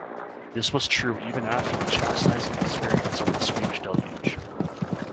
This was true even after the chastising experience of the Swedish "Deluge".